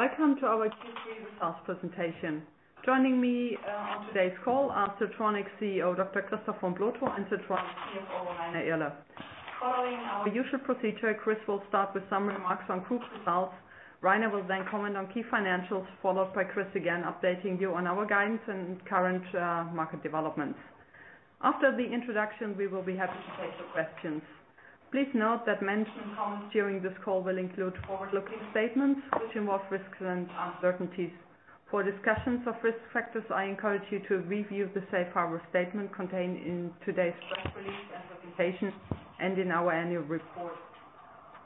Welcome to our Q3 results presentation. Joining me on today's call are Siltronic CEO Dr. Christoph von Plotho and Siltronic CFO Rainer Irle. Following our usual procedure, Chris will start with some remarks on group results. Rainer will then comment on key financials, followed by Chris again updating you on our guidance and current market developments. After the introduction, we will be happy to take your questions. Please note that mentioned comments during this call will include forward-looking statements which involve risks and uncertainties. For discussions of risk factors, I encourage you to review the safe harbor statement contained in today's press release and presentation and in our annual report.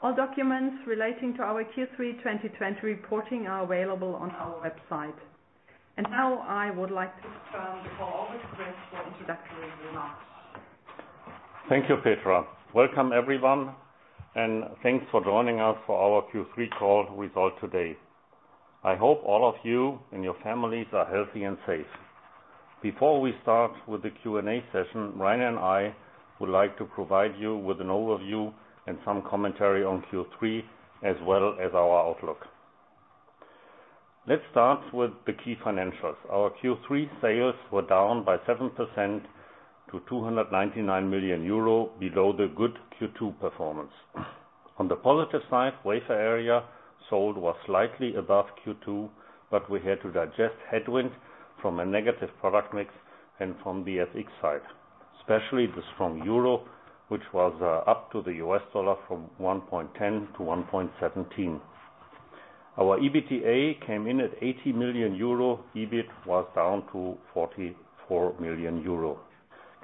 All documents relating to our Q3 2020 reporting are available on our website. And now I would like to turn the call over to Chris for introductory remarks. Thank you, Petra. Welcome, everyone, and thanks for joining us for our Q3 call result today. I hope all of you and your families are healthy and safe. Before we start with the Q&A session, Rainer and I would like to provide you with an overview and some commentary on Q3 as well as our outlook. Let's start with the key financials. Our Q3 sales were down by 7% to 299 million euro, below the good Q2 performance. On the positive side, the wafer area sold was slightly above Q2, but we had to digest headwinds from a negative product mix and from the FX side, especially the strong euro, which was up to the US dollar from $1.10 to $1.17. Our EBITDA came in at 80 million euro. EBIT was down to 44 million euro.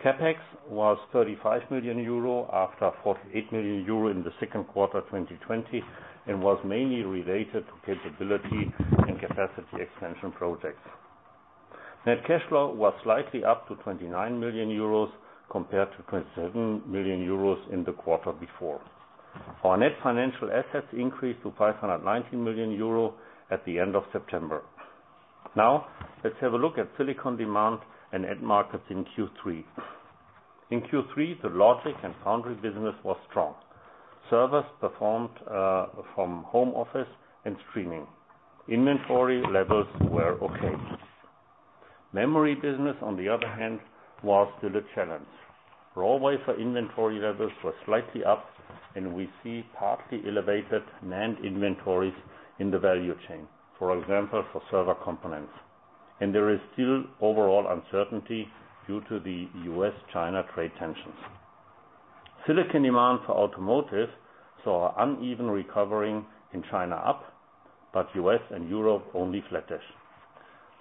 CapEx was 35 million euro after 48 million euro in the Q2 2020 and was mainly related to capability and capacity expansion projects. Net cash flow was slightly up to 29 million euros compared to 27 million euros in the quarter before. Our net financial assets increased to 519 million euros at the end of September. Now, let's have a look at silicon demand and end markets in Q3. In Q3, the logic and foundry business was strong. Servers performed from home office and streaming. Inventory levels were okay. Memory business, on the other hand, was still a challenge. Raw wafer inventory levels were slightly up, and we see partly elevated NAND inventories in the value chain, for example, for server components. and there is still overall uncertainty due to the U.S.-China trade tensions. Silicon demand for automotive saw an uneven recovery in China up, but U.S. and Europe only flattish.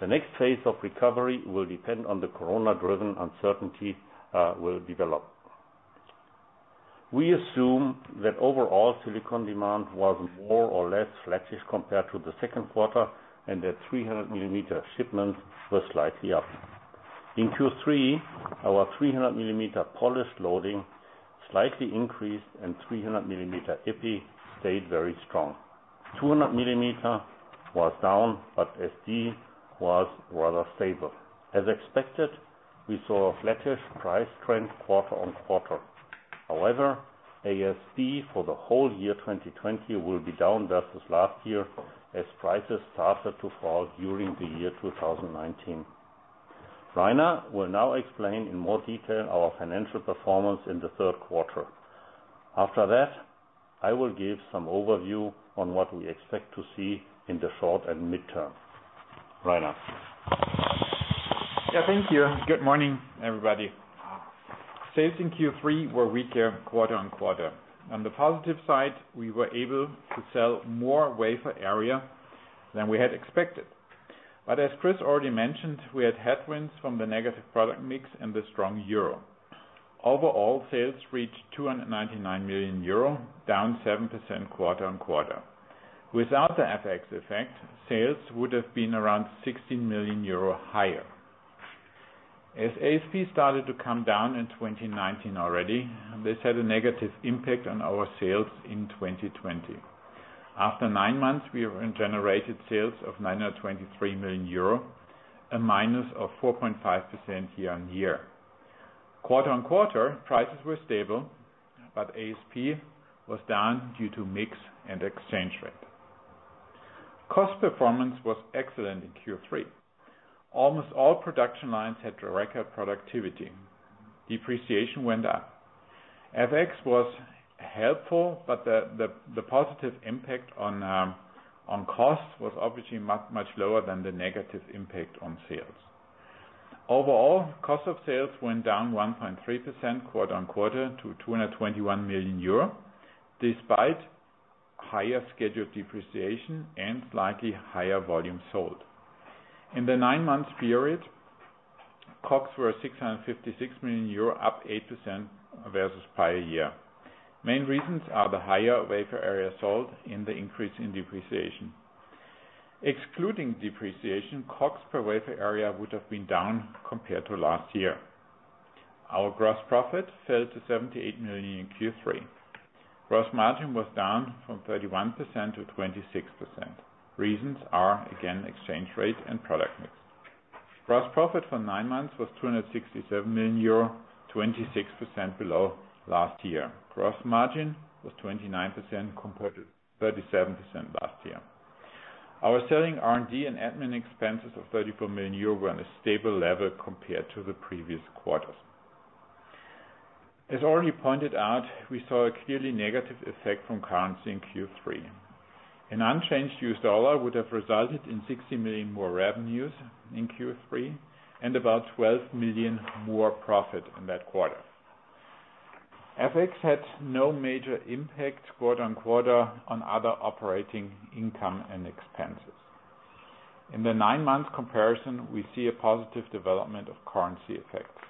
The next phase of recovery will depend on the corona-driven uncertainty that will develop. We assume that overall silicon demand was more or less flattish compared to the second quarter and that 300 mm shipments were slightly up. In Q3, our 300 mm polished loading slightly increased and 300 mm Epi stayed very strong. 200 mm was down, but SD was rather stable. As expected, we saw a flattish price trend quarter-on-quarter. However, ASP for the whole year 2020 will be down versus last year as prices started to fall during the year 2019. Rainer will now explain in more detail our financial performance in the third quarter. After that, I will give some overview on what we expect to see in the short and midterm. Rainer. Yeah, thank you. Good morning, everybody. Sales in Q3 were weaker quarter-on-quarter. On the positive side, we were able to sell more wafer area than we had expected. But as Chris already mentioned, we had headwinds from the negative product mix and the strong euro. Overall, sales reached EUR 299 million, down 7% quarter-on-quarter. Without the FX effect, sales would have been around 16 million euro higher. As ASP started to come down in 2019 already, this had a negative impact on our sales in 2020. After nine months, we generated sales of 923 million euro, a -4.5% year-on-year. Quarter-on-quarter, prices were stable, but ASP was down due to mix and exchange rate. Cost performance was excellent in Q3. Almost all production lines had a record productivity. Depreciation went up. FX was helpful, but the positive impact on cost was obviously much lower than the negative impact on sales. Overall, cost of sales went down 1.3% quarter-on-quarter to 221 million euro, despite higher scheduled depreciation and slightly higher volume sold. In the nine-month period, COGS were 656 million euro, up 8% versus prior year. Main reasons are the higher wafer area sold and the increase in depreciation. Excluding depreciation, COGS per wafer area would have been down compared to last year. Our gross profit fell to 78 million in Q3. Gross margin was down from 31% to 26%. Reasons are, again, exchange rate and product mix. Gross profit for nine months was 267 million euro, 26% below last year. Gross margin was 29% compared to 37% last year. Our selling R&D and admin expenses of 34 million euro were on a stable level compared to the previous quarters. As already pointed out, we saw a clearly negative effect from currency in Q3. An unchanged US dollar would have resulted in 60 million more revenues in Q3 and about 12 million more profit in that quarter. FX had no major impact quarter-on-quarter on other operating income and expenses. In the nine-month comparison, we see a positive development of currency effects.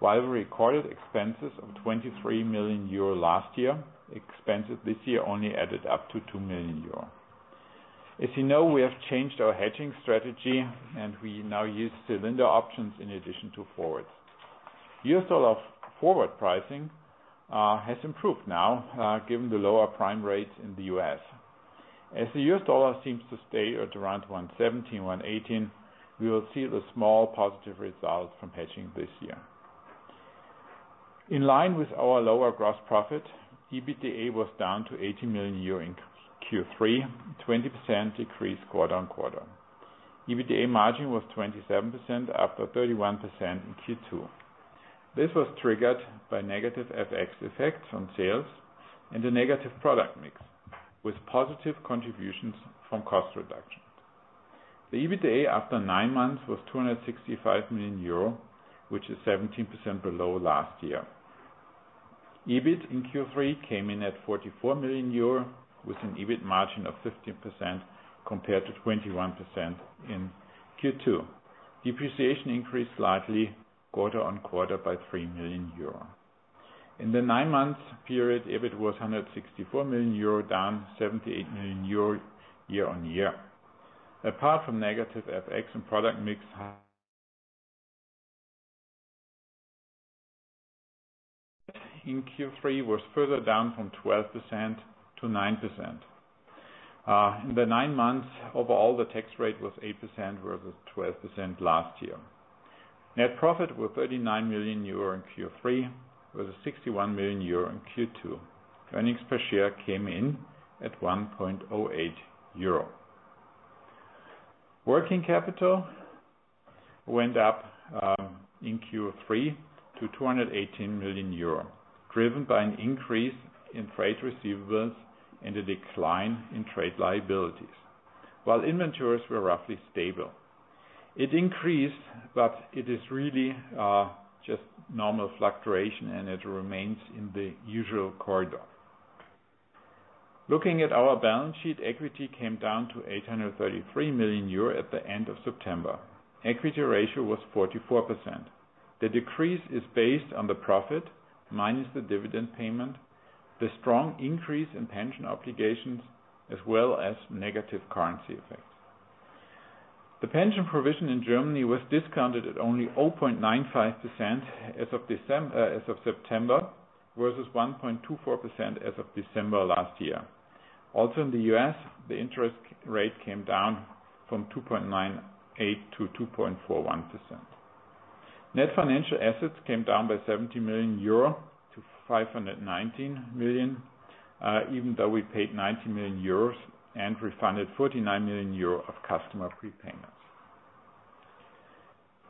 While we recorded expenses of 23 million euro last year, expenses this year only added up to 2 million euro. As you know, we have changed our hedging strategy, and we now use cylinder options in addition to forwards. U.S. dollar forward pricing has improved now, given the lower prime rates in the U.S. As the U.S. dollar seems to stay at around 1.17, 1.18, we will see a small positive result from hedging this year. In line with our lower gross profit, EBITDA was down to 80 million euro in Q3, 20% decrease quarter-on-quarter. EBITDA margin was 27% after 31% in Q2. This was triggered by negative FX effects on sales and a negative product mix, with positive contributions from cost reduction. The EBITDA after nine months was 265 million euro, which is 17% below last year. EBIT in Q3 came in at 44 million euro, with an EBIT margin of 15% compared to 21% in Q2. Depreciation increased slightly quarter-on-quarter by 3 million euro. In the nine-month period, EBIT was 164 million euro, down 78 million euro year-on-year. Apart from negative FX and product mix, in Q3 was further down from 12% to 9%. In the nine months, overall, the tax rate was 8% versus 12% last year. Net profit was 39 million euro in Q3 versus 61 million euro in Q2. Earnings per share came in at 1.08 euro. Working capital went up in Q3 to 218 million euro, driven by an increase in trade receivables and a decline in trade liabilities, while inventories were roughly stable. It increased, but it is really just normal fluctuation, and it remains in the usual corridor. Looking at our balance sheet, equity came down to 833 million euro at the end of September. Equity ratio was 44%. The decrease is based on the profit minus the dividend payment, the strong increase in pension obligations, as well as negative currency effects. The pension provision in Germany was discounted at only 0.95% as of September versus 1.24% as of December last year. Also, in the U.S., the interest rate came down from 2.98 to 2.41%. Net financial assets came down by 70 million euro to 519 million, even though we paid 90 million euros and refunded 49 million euro of customer prepayments.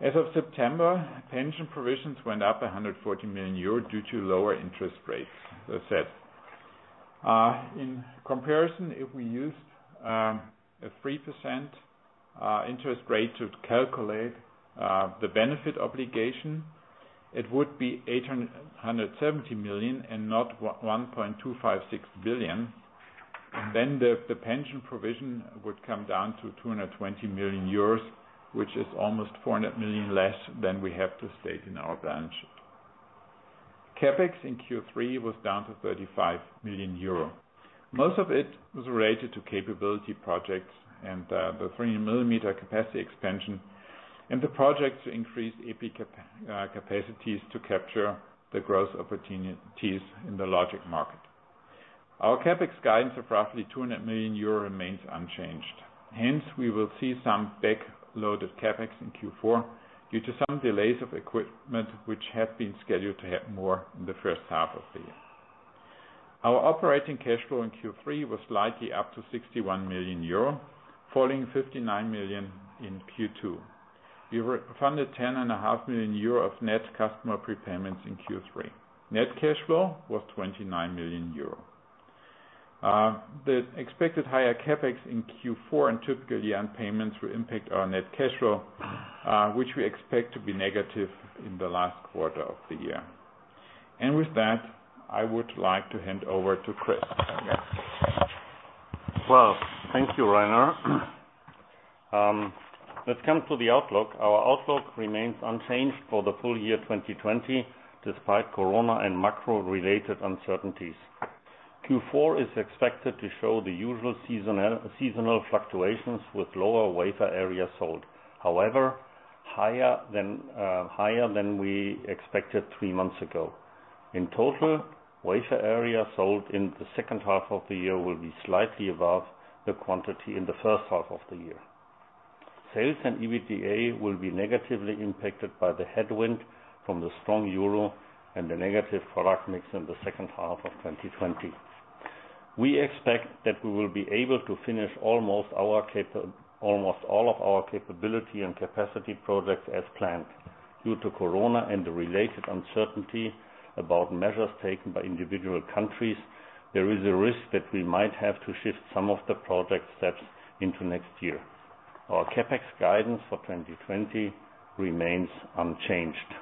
As of September, pension provisions went up 140 million euro due to lower interest rates, as I said. In comparison, if we used a 3% interest rate to calculate the benefit obligation, it would be 870 million and not 1.256 billion. Then the pension provision would come down to 220 million euros, which is almost 400 million less than we have to state in our balance sheet. CapEx in Q3 was down to 35 million euro. Most of it was related to capability projects and the 300 mm capacity expansion and the project to increase Epi capacities to capture the growth opportunities in the logic market. Our CapEx guidance of roughly 200 million euro remains unchanged. Hence, we will see some backloaded CapEx in Q4 due to some delays of equipment, which had been scheduled to have more in the first half of the year. Our operating cash flow in Q3 was slightly up to 61 million euro, from 59 million in Q2. We refunded 10.5 million euro of net customer prepayments in Q3. Net cash flow was 29 million euro. The expected higher CapEx in Q4 and the typical timing of payments will impact our net cash flow, which we expect to be negative in the last quarter of the year, and with that, I would like to hand over to Chris. Thank you, Rainer. Let's come to the outlook. Our outlook remains unchanged for the full year 2020, despite corona and macro-related uncertainties. Q4 is expected to show the usual seasonal fluctuations with lower wafer area sold, however, higher than we expected three months ago. In total, wafer area sold in the H2 of the year will be slightly above the quantity in the first half of the year. Sales and EBITDA will be negatively impacted by the headwind from the strong euro and the negative product mix in the second half of 2020. We expect that we will be able to finish almost all of our capability and capacity projects as planned. Due to corona and the related uncertainty about measures taken by individual countries, there is a risk that we might have to shift some of the project steps into next year. Our CapEx guidance for 2020 remains unchanged.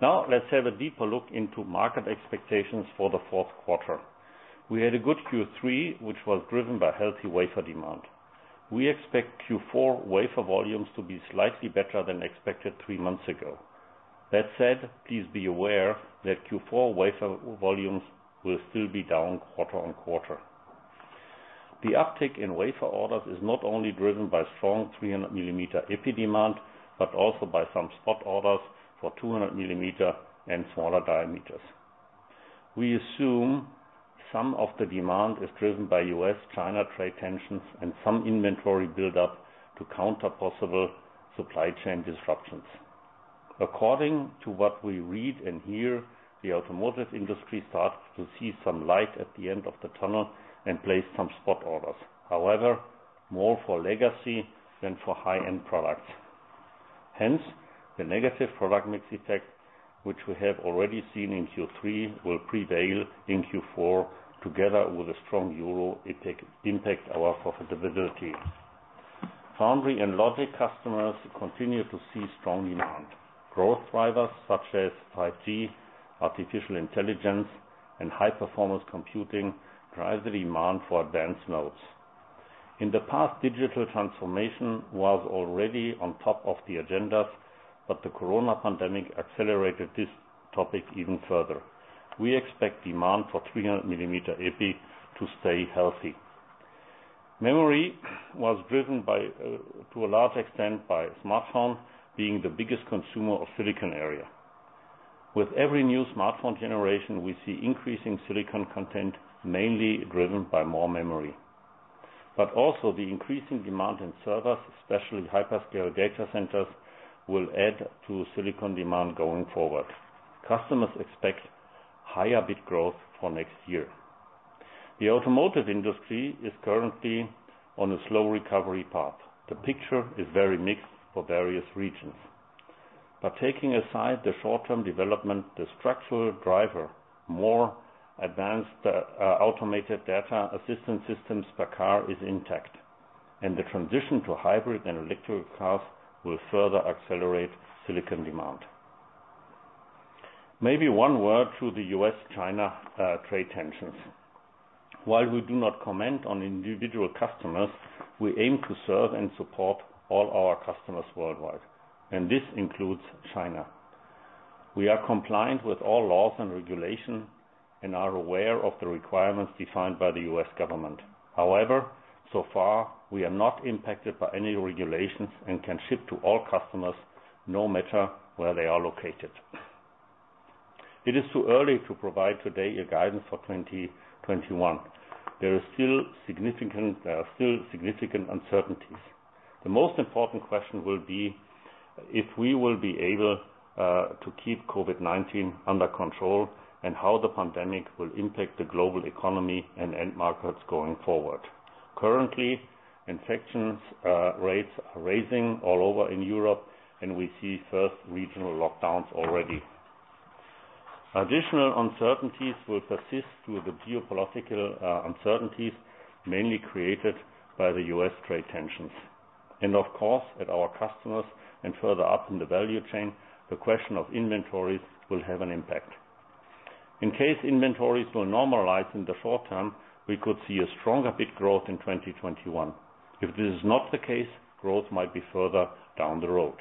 Now, let's have a deeper look into market expectations for the fourth quarter. We had a good Q3, which was driven by healthy wafer demand. We expect Q4 wafer volumes to be slightly better than expected three months ago. That said, please be aware that Q4 wafer volumes will still be down quarter-on-quarter. The uptick in wafer orders is not only driven by strong 300 mm Epi demand, but also by some spot orders for 200 mm and smaller diameters. We assume some of the demand is driven by U.S.-China trade tensions and some inventory buildup to counter possible supply chain disruptions. According to what we read and hear, the automotive industry started to see some light at the end of the tunnel and placed some spot orders. However, more for legacy than for high-end products. Hence, the negative product mix effect, which we have already seen in Q3, will prevail in Q4 together with a strong Euro impact on our profitability. Foundry and logic customers continue to see strong demand. Growth drivers such as 5G, artificial intelligence, and high-performance computing drive the demand for advanced nodes. In the past, digital transformation was already on top of the agendas, but the corona pandemic accelerated this topic even further. We expect demand for 300 mm Epi to stay healthy. Memory was driven to a large extent by smartphone being the biggest consumer of silicon area. With every new smartphone generation, we see increasing silicon content, mainly driven by more memory. But also, the increasing demand in servers, especially hyperscale data centers, will add to silicon demand going forward. Customers expect higher bit growth for next year. The automotive industry is currently on a slow recovery path. The picture is very mixed for various regions, but taking aside the short-term development, the structural driver, more advanced automated driver assistance systems per car, is intact, and the transition to hybrid and electric cars will further accelerate silicon demand. Maybe one word to the U.S.-China trade tensions. While we do not comment on individual customers, we aim to serve and support all our customers worldwide, and this includes China. We are compliant with all laws and regulations and are aware of the requirements defined by the U.S. government. However, so far, we are not impacted by any regulations and can ship to all customers, no matter where they are located. It is too early to provide today a guidance for 2021. There are still significant uncertainties. The most important question will be if we will be able to keep COVID-19 under control and how the pandemic will impact the global economy and end markets going forward. Currently, infection rates are rising all over in Europe, and we see first regional lockdowns already. Additional uncertainties will persist through the geopolitical uncertainties, mainly created by the U.S. trade tensions. And of course, at our customers and further up in the value chain, the question of inventories will have an impact. In case inventories will normalize in the short term, we could see a stronger bid growth in 2021. If this is not the case, growth might be further down the road.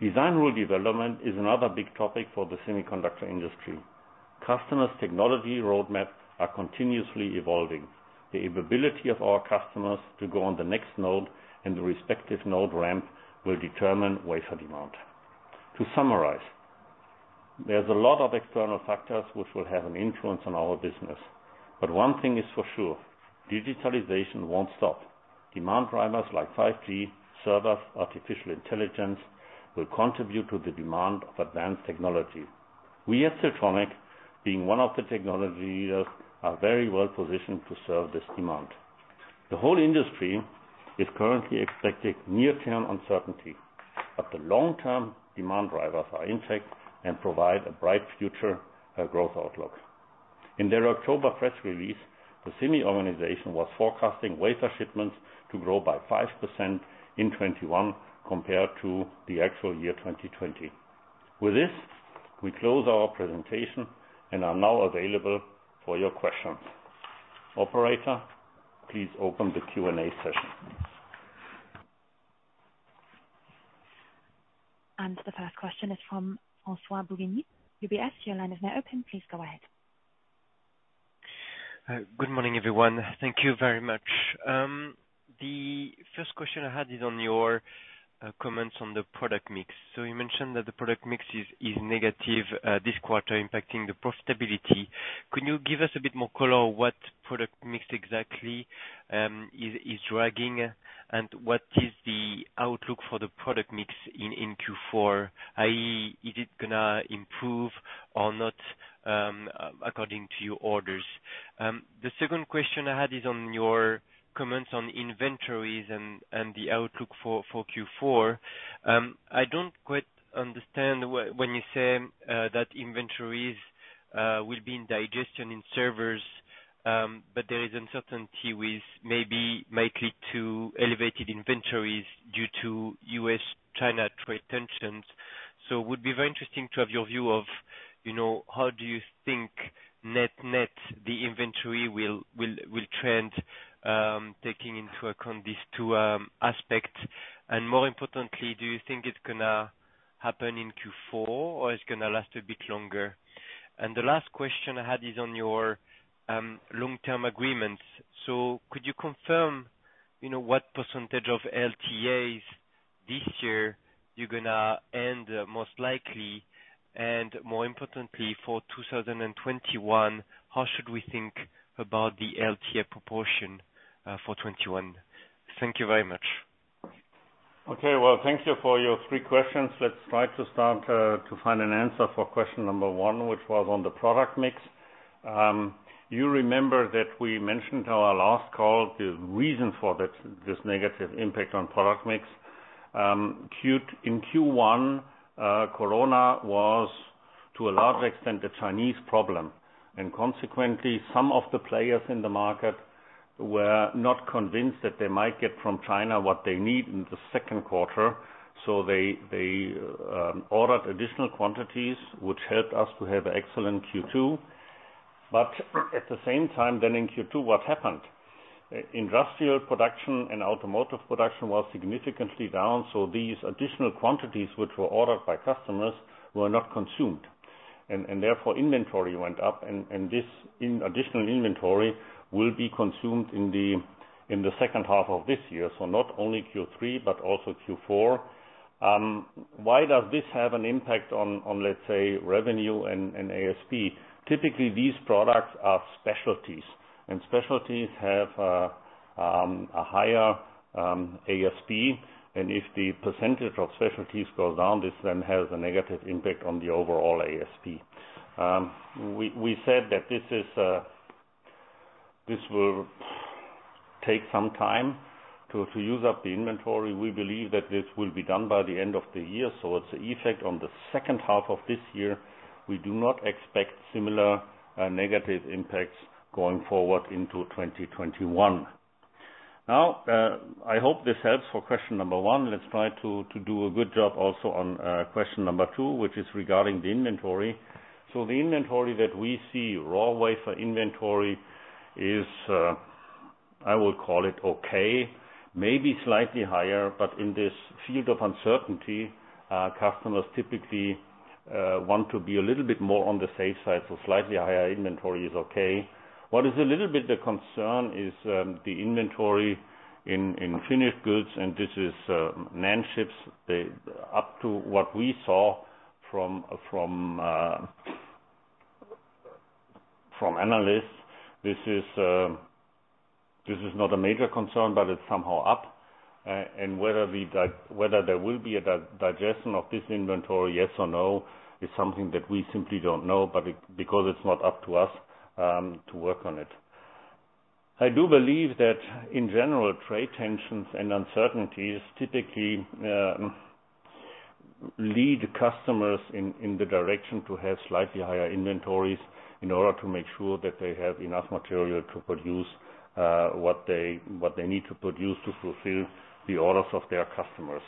Design rule development is another big topic for the semiconductor industry. Customers' technology roadmaps are continuously evolving. The ability of our customers to go on the next node and the respective node ramp will determine wafer demand. To summarize, there's a lot of external factors which will have an influence on our business. But one thing is for sure: digitalization won't stop. Demand drivers like 5G, servers, artificial intelligence will contribute to the demand of advanced technology. We at Siltronic, being one of the technology leaders, are very well positioned to serve this demand. The whole industry is currently expecting near-term uncertainty, but the long-term demand drivers are intact and provide a bright future growth outlook. In their October press release, the SEMI organization was forecasting wafer shipments to grow by 5% in 2021 compared to the actual year 2020. With this, we close our presentation and are now available for your questions. Operator, please open the Q&A session. The first question is from François-Xavier Bouvignies of UBS, your line is now open. Please go ahead. Good morning, everyone. Thank you very much. The first question I had is on your comments on the product mix. So you mentioned that the product mix is negative this quarter, impacting the profitability. Could you give us a bit more color on what product mix exactly is dragging and what is the outlook for the product mix in Q4? Is it going to improve or not according to your orders? The second question I had is on your comments on inventories and the outlook for Q4. I don't quite understand when you say that inventories will be in digestion in servers, but there is uncertainty which maybe might lead to elevated inventories due to U.S.-China trade tensions. So it would be very interesting to have your view of how do you think net-net the inventory will trend, taking into account these two aspects? And more importantly, do you think it's going to happen in Q4 or it's going to last a bit longer? And the last question I had is on your long-term agreements. So could you confirm what percentage of LTAs this year you're going to end most likely? And more importantly, for 2021, how should we think about the LTA proportion for 2021? Thank you very much. Okay. Thank you for your three questions. Let's try to start to find an answer for question number one, which was on the product mix. You remember that we mentioned in our last call the reason for this negative impact on product mix. In Q1, corona was, to a large extent, a Chinese problem. Consequently, some of the players in the market were not convinced that they might get from China what they need in the second quarter. They ordered additional quantities, which helped us to have an excellent Q2. At the same time, then in Q2, what happened? Industrial production and automotive production were significantly down. These additional quantities, which were ordered by customers, were not consumed. Therefore, inventory went up. This additional inventory will be consumed in the second half of this year. Not only Q3, but also Q4. Why does this have an impact on, let's say, revenue and ASP? Typically, these products are specialties. And specialties have a higher ASP. And if the percentage of specialties goes down, this then has a negative impact on the overall ASP. We said that this will take some time to use up the inventory. We believe that this will be done by the end of the year. So it's an effect on the second half of this year. We do not expect similar negative impacts going forward into 2021. Now, I hope this helps for question number one. Let's try to do a good job also on question number two, which is regarding the inventory. So the inventory that we see, raw wafer inventory, is, I will call it okay, maybe slightly higher. But in this field of uncertainty, customers typically want to be a little bit more on the safe side. So slightly higher inventory is okay. What is a little bit of concern is the inventory in finished goods. And this is NAND chips. Up to what we saw from analysts, this is not a major concern, but it's somehow up. And whether there will be a digestion of this inventory, yes or no, is something that we simply don't know because it's not up to us to work on it. I do believe that, in general, trade tensions and uncertainties typically lead customers in the direction to have slightly higher inventories in order to make sure that they have enough material to produce what they need to produce to fulfill the orders of their customers.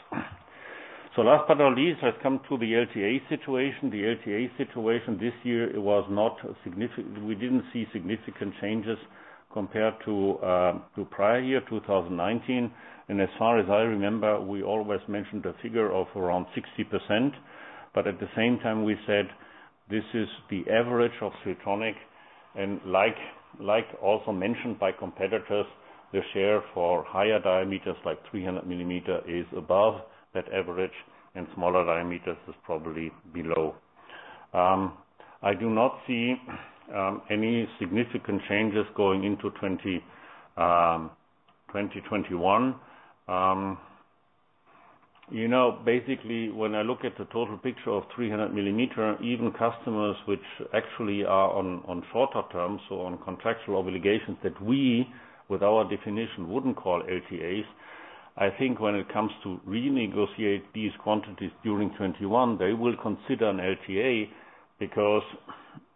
So last but not least, let's come to the LTA situation. The LTA situation this year, we didn't see significant changes compared to prior year, 2019. As far as I remember, we always mentioned a figure of around 60%. At the same time, we said this is the average of Siltronic. Like also mentioned by competitors, the share for higher diameters like 300 mm is above that average, and smaller diameters is probably below. I do not see any significant changes going into 2021. Basically, when I look at the total picture of 300 mm, even customers which actually are on shorter terms, so on contractual obligations that we, with our definition, wouldn't call LTAs, I think when it comes to renegotiate these quantities during 2021, they will consider an LTA because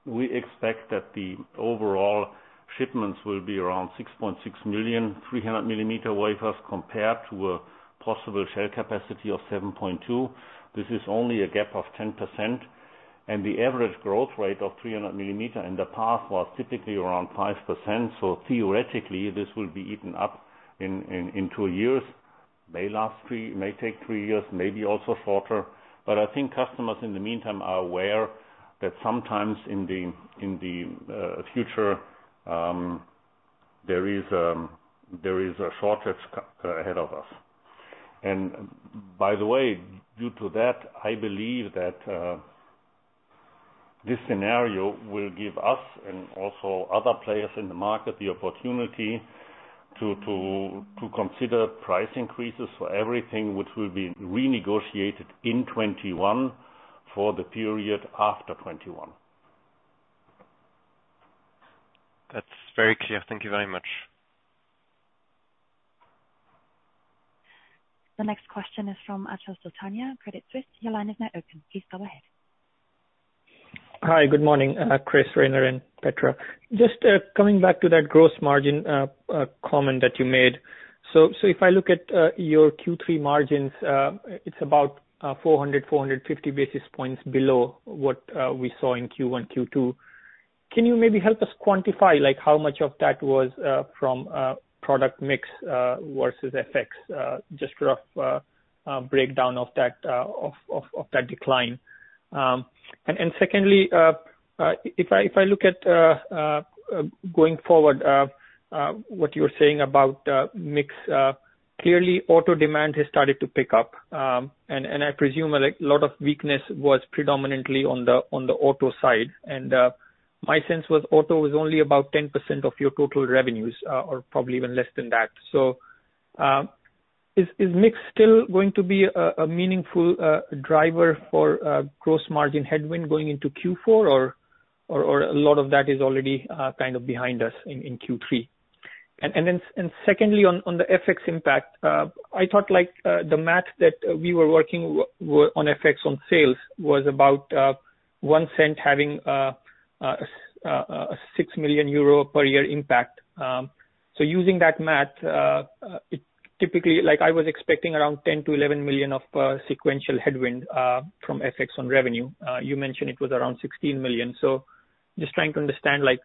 we expect that the overall shipments will be around 6.6 million, 300 mm wafers compared to a possible shell capacity of 7.2. This is only a gap of 10%. And the average growth rate of 300 mm in the past was typically around 5%. So theoretically, this will be eaten up in two years. May take three years, maybe also shorter. But I think customers in the meantime are aware that sometimes in the future, there is a shortage ahead of us. And by the way, due to that, I believe that this scenario will give us and also other players in the market the opportunity to consider price increases for everything which will be renegotiated in 2021 for the period after 2021. That's very clear. Thank you very much. The next question is from Achal Sultania, Credit Suisse. Your line is now open. Please go ahead. Hi, good morning, Chris, Rainer, and Petra. Just coming back to that gross margin comment that you made. If I look at your Q3 margins, it's about 400-450 basis points below what we saw in Q1, Q2. Can you maybe help us quantify how much of that was from product mix versus FX? Just a rough breakdown of that decline. Secondly, if I look at going forward what you're saying about mix, clearly auto demand has started to pick up. I presume a lot of weakness was predominantly on the auto side. My sense was auto was only about 10% of your total revenues or probably even less than that. Is mix still going to be a meaningful driver for gross margin headwind going into Q4, or a lot of that is already kind of behind us in Q3? And then secondly, on the FX impact, I thought the math that we were working on FX on sales was about one cent having a 6 million euro per year impact. So using that math, typically, I was expecting around 10-11 million of sequential headwind from FX on revenue. You mentioned it was around 16 million. So just trying to understand whether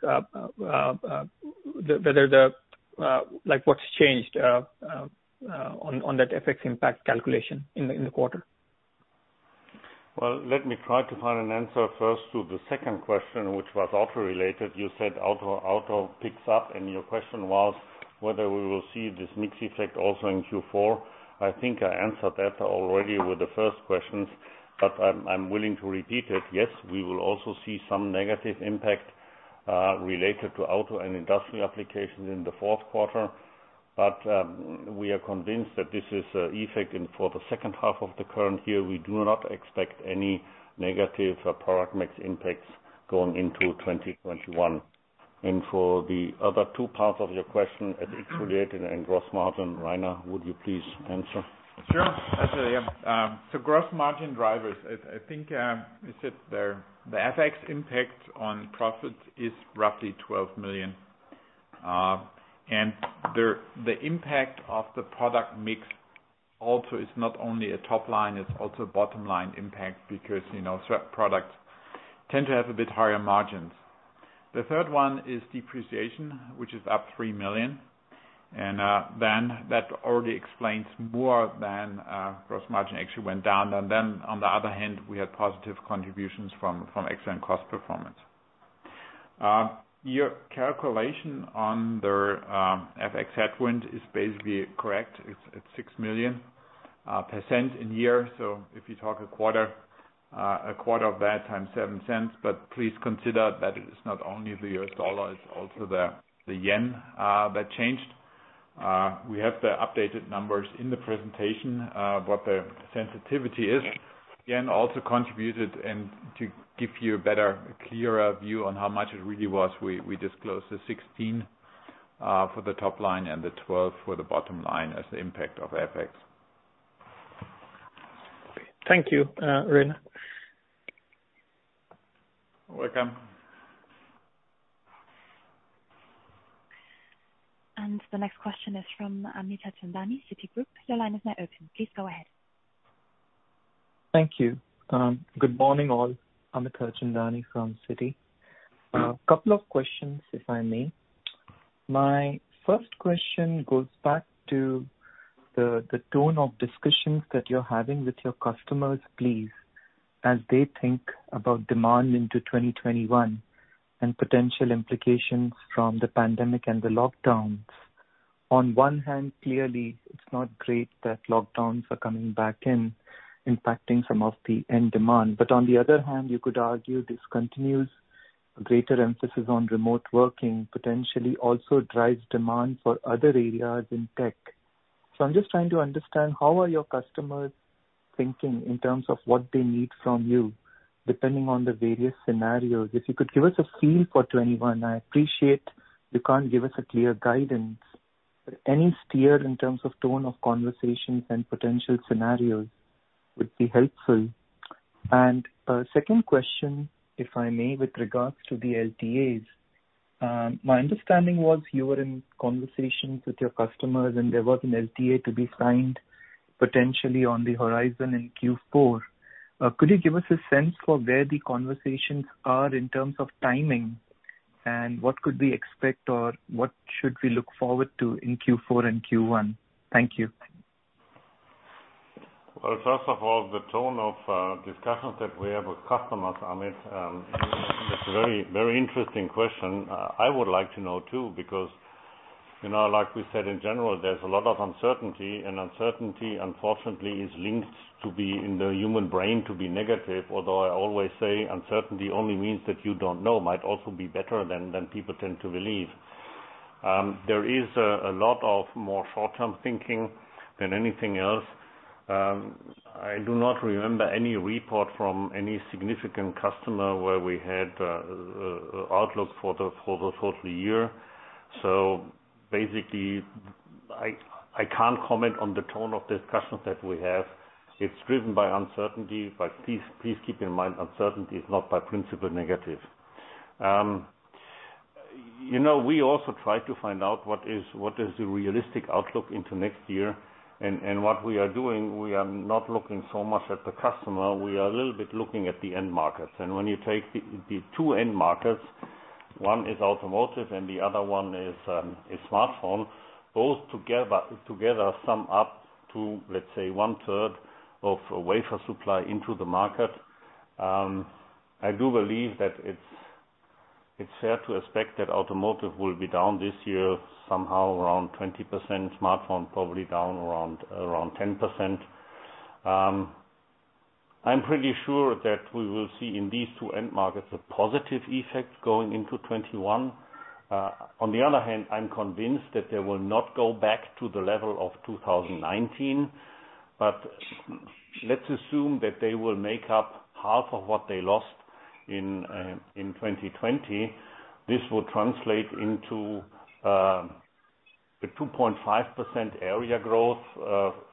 what's changed on that FX impact calculation in the quarter? Let me try to find an answer first to the second question, which was auto-related. You said auto picks up, and your question was whether we will see this mix effect also in Q4. I think I answered that already with the first questions, but I'm willing to repeat it. Yes, we will also see some negative impact related to auto and industrial applications in the fourth quarter. But we are convinced that this is an effect for the second half of the current year. We do not expect any negative product mix impacts going into 2021. And for the other two parts of your question, at EBITDA and gross margin, Rainer, would you please answer? Sure. Absolutely. Yeah. Gross margin drivers, I think you said the FX impact on profits is roughly 12 million. And the impact of the product mix also is not only a top line, it's also a bottom line impact because certain products tend to have a bit higher margins. The third one is depreciation, which is up 3 million. And then that already explains more than gross margin actually went down. And then on the other hand, we had positive contributions from excellent cost performance. Your calculation on the FX headwind is basically correct. It's 6 million per year. So if you talk a quarter, a quarter of that times 7 cents. But please consider that it's not only the U.S. dollar, it's also the yen that changed. We have the updated numbers in the presentation, what the sensitivity is. Yen also contributed. To give you a better, clearer view on how much it really was, we disclosed the 16 for the top line and the 12 for the bottom line as the impact of FX. Thank you, Rainer. You're welcome. The next question is from Amit Harchandani, Citi. Your line is now open. Please go ahead. Thank you. Good morning, all. Amit Harchandani from Citi. A couple of questions, if I may. My first question goes back to the tone of discussions that you're having with your customers, please, as they think about demand into 2021 and potential implications from the pandemic and the lockdowns. On one hand, clearly, it's not great that lockdowns are coming back in, impacting some of the end demand. But on the other hand, you could argue this continues. Greater emphasis on remote working potentially also drives demand for other areas in tech. So I'm just trying to understand how are your customers thinking in terms of what they need from you, depending on the various scenarios. If you could give us a feel for 2021, I appreciate you can't give us a clear guidance. But any steer in terms of tone of conversations and potential scenarios would be helpful. Second question, if I may, with regards to the LTAs, my understanding was you were in conversations with your customers, and there was an LTA to be signed potentially on the horizon in Q4. Could you give us a sense for where the conversations are in terms of timing and what could we expect or what should we look forward to in Q4 and Q1? Thank you. First of all, the tone of discussions that we have with customers, Amit, that's a very interesting question. I would like to know too because, like we said, in general, there's a lot of uncertainty. And uncertainty, unfortunately, is linked, in the human brain, to be negative. Although I always say uncertainty only means that you don't know might also be better than people tend to believe. There is a lot more short-term thinking than anything else. I do not remember any report from any significant customer where we had outlook for the total year. So basically, I can't comment on the tone of discussions that we have. It's driven by uncertainty. But please keep in mind, uncertainty is not in principle negative. We also try to find out what is the realistic outlook into next year. What we are doing, we are not looking so much at the customer. We are a little bit looking at the end markets. When you take the two end markets, one is automotive and the other one is smartphone, both together sum up to, let's say, one-third of wafer supply into the market. I do believe that it's fair to expect that automotive will be down this year somehow around 20%, smartphone probably down around 10%. I'm pretty sure that we will see in these two end markets a positive effect going into 2021. On the other hand, I'm convinced that they will not go back to the level of 2019. Let's assume that they will make up half of what they lost in 2020. This will translate into a 2.5% area growth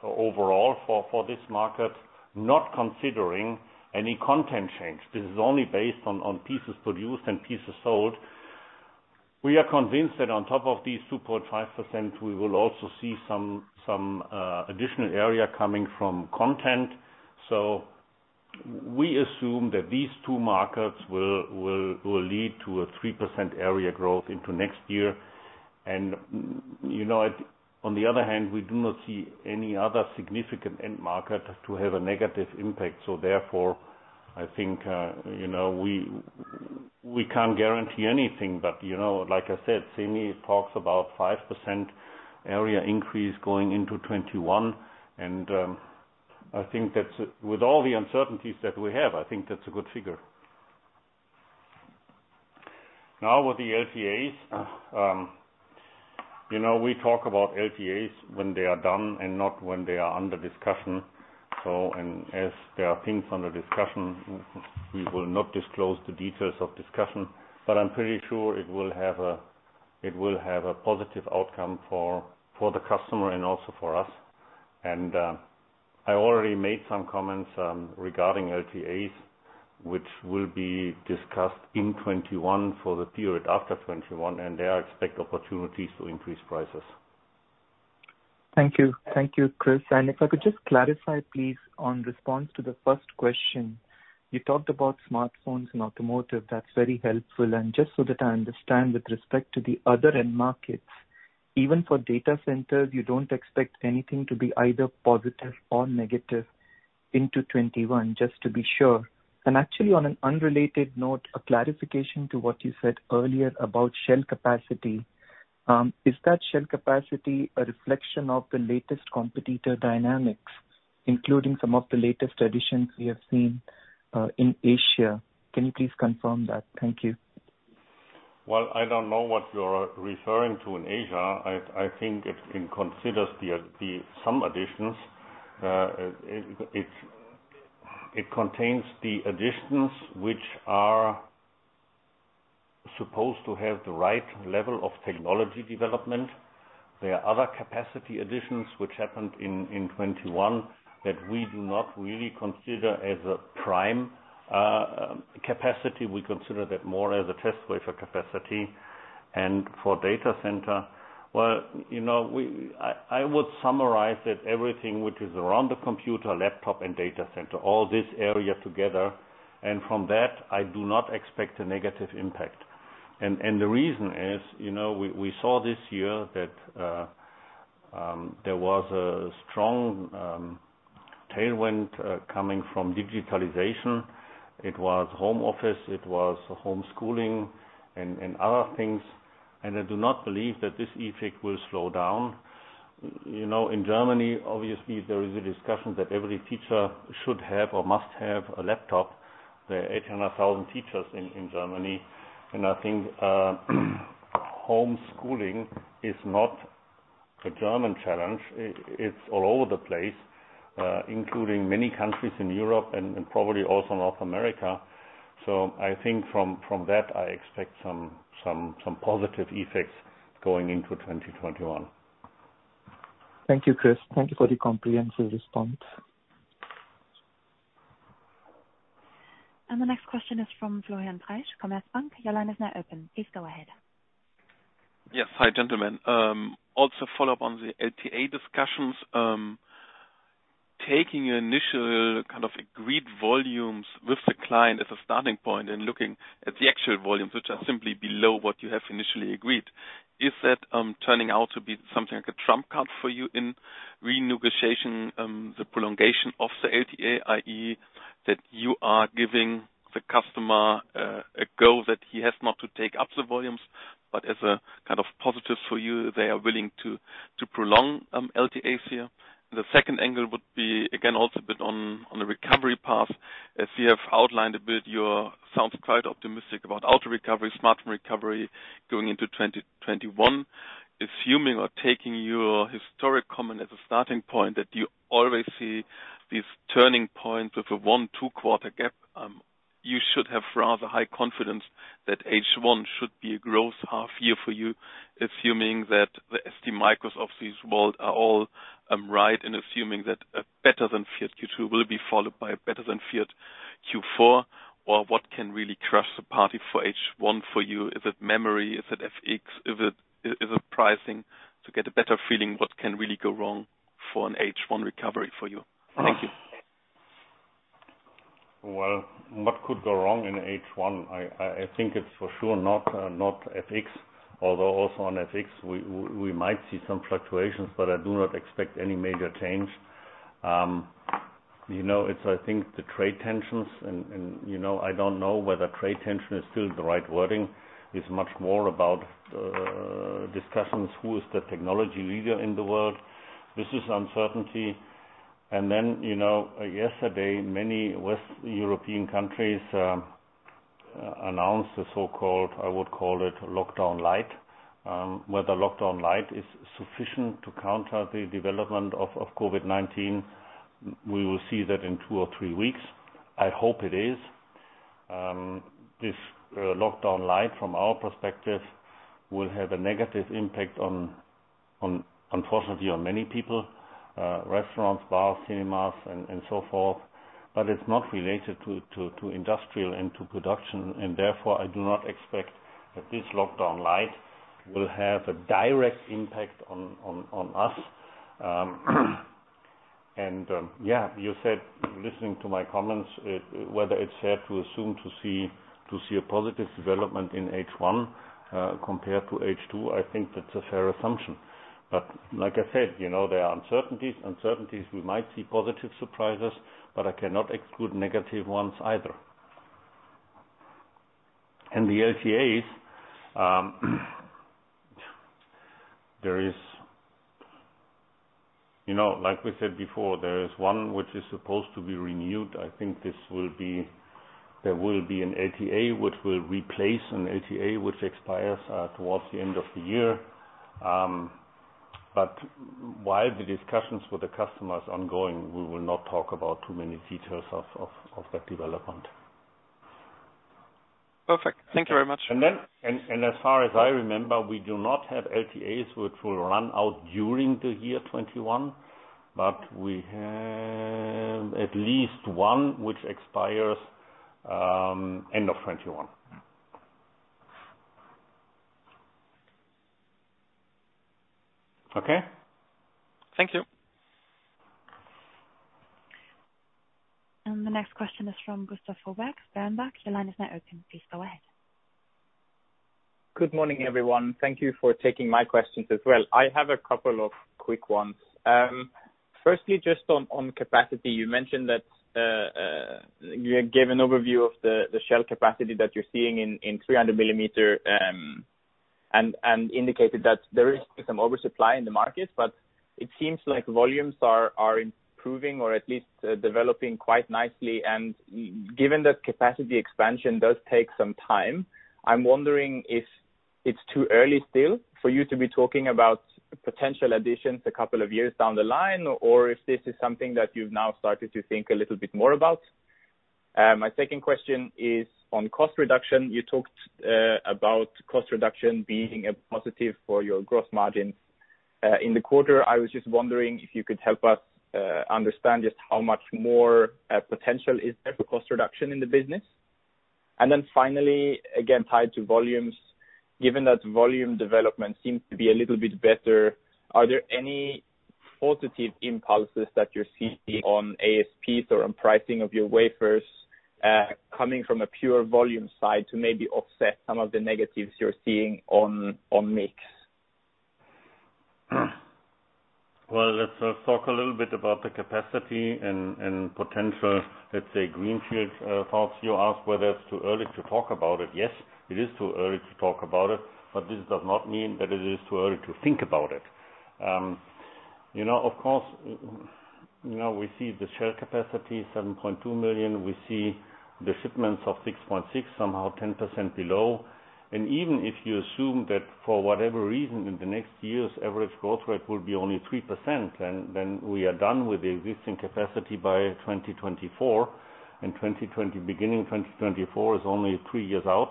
overall for this market, not considering any content change. This is only based on pieces produced and pieces sold. We are convinced that on top of these 2.5%, we will also see some additional area coming from content. We assume that these two markets will lead to a 3% area growth into next year. On the other hand, we do not see any other significant end market to have a negative impact. Therefore, I think we can't guarantee anything. Like I said, SEMI talks about 5% area increase going into 2021. I think that with all the uncertainties that we have, that's a good figure. Now, with the LTAs, we talk about LTAs when they are done and not when they are under discussion. As there are things under discussion, we will not disclose the details of discussion. But I'm pretty sure it will have a positive outcome for the customer and also for us. And I already made some comments regarding LTAs, which will be discussed in 2021 for the period after 2021, and they are expected opportunities to increase prices. Thank you. Thank you, Chris. And if I could just clarify, please, in response to the first question, you talked about smartphones and automotive. That's very helpful. And just so that I understand with respect to the other end markets, even for data centers, you don't expect anything to be either positive or negative into 2021, just to be sure. And actually, on an unrelated note, a clarification to what you said earlier about shell capacity. Is that shell capacity a reflection of the latest competitor dynamics, including some of the latest additions we have seen in Asia? Can you please confirm that? Thank you. I don't know what you are referring to in Asia. I think it considers some additions. It contains the additions which are supposed to have the right level of technology development. There are other capacity additions which happened in 2021 that we do not really consider as a prime capacity. We consider that more as a test wafer capacity. For data center, well, I would summarize that everything which is around the computer, laptop, and data center, all this area together. From that, I do not expect a negative impact. The reason is we saw this year that there was a strong tailwind coming from digitalization. It was home office. It was homeschooling and other things. I do not believe that this effect will slow down. In Germany, obviously, there is a discussion that every teacher should have or must have a laptop. There are 800,000 teachers in Germany. And I think homeschooling is not a German challenge. It's all over the place, including many countries in Europe and probably also North America. So I think from that, I expect some positive effects going into 2021. Thank you, Chris. Thank you for the comprehensive response. The next question is from Florian Treisch, Commerzbank. Your line is now open. Please go ahead. Yes. Hi, gentlemen. Also follow up on the LTA discussions. Taking initial kind of agreed volumes with the client as a starting point and looking at the actual volumes, which are simply below what you have initially agreed, is that turning out to be something like a trump card for you in renegotiating the prolongation of the LTA, i.e., that you are giving the customer a go that he has not to take up the volumes, but as a kind of positive for you, they are willing to prolong LTAs here? The second angle would be, again, also a bit on the recovery path. As you have outlined a bit, you sound quite optimistic about auto recovery, smartphone recovery going into 2021. Assuming or taking your historic comment as a starting point that you always see these turning points with a one- or two-quarter gap, you should have rather high confidence that H1 should be a growth half year for you, assuming that the ST Micros of this world are all right and assuming that better than feared Q2 will be followed by better than feared Q4, or what can really crush the party for H1 for you? Is it memory? Is it FX? Is it pricing? To get a better feeling, what can really go wrong for an H1 recovery for you? Thank you. What could go wrong in H1? I think it's for sure not FX. Although also on FX, we might see some fluctuations, but I do not expect any major change. It's, I think, the trade tensions. And I don't know whether trade tension is still the right wording. It's much more about discussions, who is the technology leader in the world? This is uncertainty. And then yesterday, many West European countries announced the so-called, I would call it, lockdown light. Whether lockdown light is sufficient to counter the development of COVID-19, we will see that in two or three weeks. I hope it is. This lockdown light, from our perspective, will have a negative impact, unfortunately, on many people, restaurants, bars, cinemas, and so forth. But it's not related to industrial and to production. Therefore, I do not expect that this lockdown light will have a direct impact on us. Yeah, you said, listening to my comments, whether it's fair to assume to see a positive development in H1 compared to H2, I think that's a fair assumption. Like I said, there are uncertainties. We might see positive surprises, but I cannot exclude negative ones either. The LTAs, there is, like we said before, there is one which is supposed to be renewed. I think there will be an LTA which will replace an LTA which expires towards the end of the year. While the discussions with the customers are ongoing, we will not talk about too many details of that development. Perfect. Thank you very much. As far as I remember, we do not have LTAs which will run out during the year 2021, but we have at least one which expires end of 2021. Okay? Thank you. The next question is from Gustav Fröberg, Berenberg. Your line is now open. Please go ahead. Good morning, everyone. Thank you for taking my questions as well. I have a couple of quick ones. Firstly, just on capacity, you mentioned that you gave an overview of the shell capacity that you're seeing in 300 mm and indicated that there is some oversupply in the market. But it seems like volumes are improving or at least developing quite nicely. And given that capacity expansion does take some time, I'm wondering if it's too early still for you to be talking about potential additions a couple of years down the line, or if this is something that you've now started to think a little bit more about. My second question is on cost reduction. You talked about cost reduction being a positive for your gross margins. In the quarter, I was just wondering if you could help us understand just how much more potential is there for cost reduction in the business. And then finally, again, tied to volumes, given that volume development seems to be a little bit better, are there any positive impulses that you're seeing on ASPs or on pricing of your wafers coming from a pure volume side to maybe offset some of the negatives you're seeing on mix? Let's talk a little bit about the capacity and potential, let's say, greenfield thoughts. You asked whether it's too early to talk about it. Yes, it is too early to talk about it, but this does not mean that it is too early to think about it. Of course, we see the shell capacity, 7.2 million. We see the shipments of 6.6, somehow 10% below. Even if you assume that for whatever reason, in the next years, average growth rate will be only 3%, then we are done with the existing capacity by 2024. Beginning 2024 is only three years out,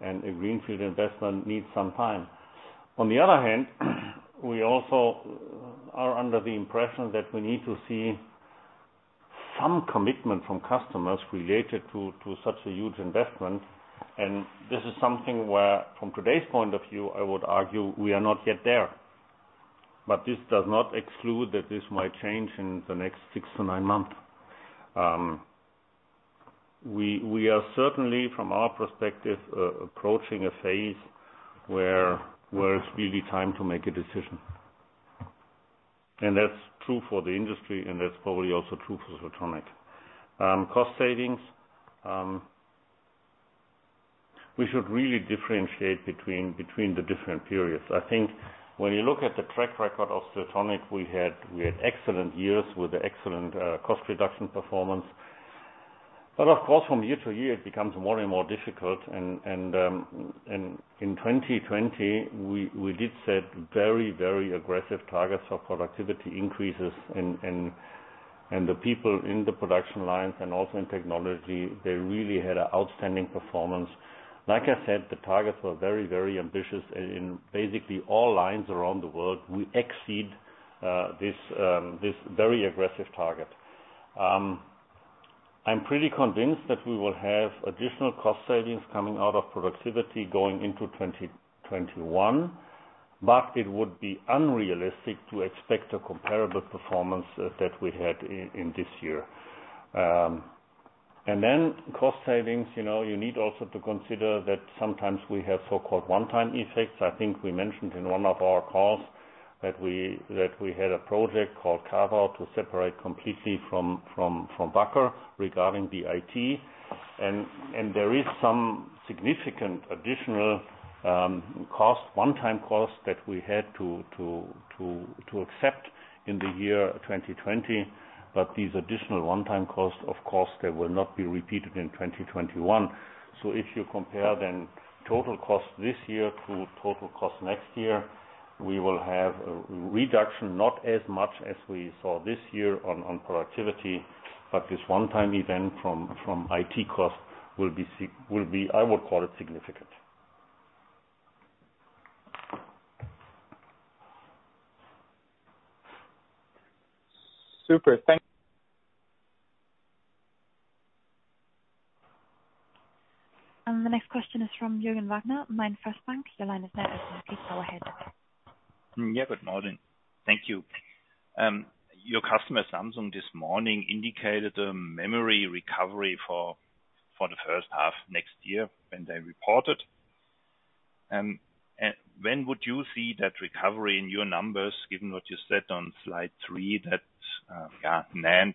and a greenfield investment needs some time. On the other hand, we also are under the impression that we need to see some commitment from customers related to such a huge investment. And this is something where, from today's point of view, I would argue we are not yet there. But this does not exclude that this might change in the next six to nine months. We are certainly, from our perspective, approaching a phase where it's really time to make a decision. And that's true for the industry, and that's probably also true for Siltronic. Cost savings, we should really differentiate between the different periods. I think when you look at the track record of Siltronic, we had excellent years with excellent cost reduction performance. But of course, from year to year, it becomes more and more difficult. And in 2020, we did set very, very aggressive targets for productivity increases. And the people in the production lines and also in technology, they really had an outstanding performance. Like I said, the targets were very, very ambitious. In basically all lines around the world, we exceed this very aggressive target. I'm pretty convinced that we will have additional cost savings coming out of productivity going into 2021, but it would be unrealistic to expect a comparable performance that we had in this year. Then cost savings, you need also to consider that sometimes we have so-called one-time effects. I think we mentioned in one of our calls that we had a project called Carve-Out to separate completely from Wacker regarding the IT. There is some significant additional cost, one-time cost that we had to accept in the year 2020. These additional one-time costs, of course, they will not be repeated in 2021. If you compare then total cost this year to total cost next year, we will have a reduction, not as much as we saw this year on productivity, but this one-time event from IT cost will be, I would call it, significant. Super. Thank you. The next question is from Jürgen Wagner, MainFirst Bank. Your line is now open. Please go ahead. Yeah, good morning. Thank you. Your customer, Samsung, this morning indicated a memory recovery for the first half next year when they reported. And when would you see that recovery in your numbers, given what you said on slide three, that NAND